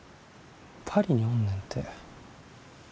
パリにおんねんて。